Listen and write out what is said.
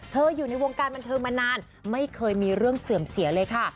อยู่ในวงการบันเทิงมานานไม่เคยมีเรื่องเสื่อมเสียเลยค่ะ